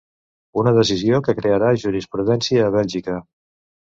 Una decisió que crearà jurisprudència a Bèlgica.